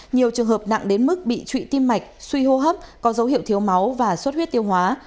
nhiều trường hợp nặng đến mức bị trụy tim mạch suy hô hấp có dấu hiệu thiếu máu và suất huyết tiêu hóa